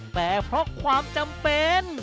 แต่เพราะความจำเป็น